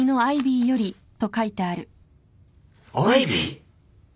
「アイビー」！？